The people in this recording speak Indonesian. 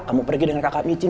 kamu pergi dengan kakak micin